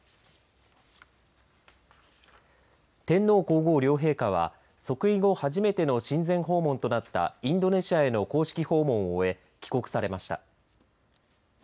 天皇皇后両陛下は即位後初めての親善訪問となったインドネシアへの公式訪問を終え帰国されました。